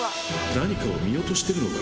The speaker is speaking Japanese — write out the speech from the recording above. ・何かを見落としてるのか？